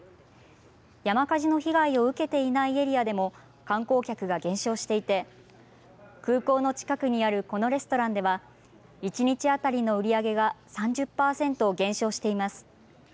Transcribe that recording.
山火事の被害を受けていないエリアでも、観光客が減少していて、空港の近くにあるこのレストランでは、１日当たりの売り上げが３０％減少しています。